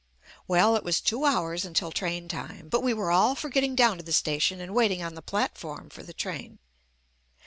Well, it was two hours until train time, but we were all for getting down to the station and waiting on the platform for the train.